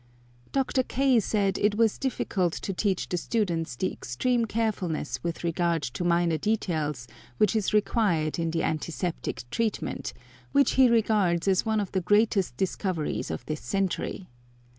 Dr. K. said it was difficult to teach the students the extreme carefulness with regard to minor details which is required in the antiseptic treatment, which he regards as one of the greatest discoveries of this century.